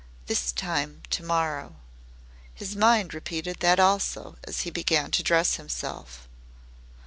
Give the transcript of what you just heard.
THIS TIME TO MORROW. His mind repeated that also, as he began to dress himself.